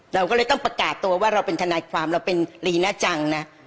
เราก็เลยต้องประกาศตัวว่าเราเป็นทนายความเราเป็นลีน่าจังนะ